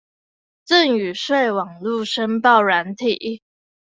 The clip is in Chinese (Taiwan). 贈與稅網路申報軟體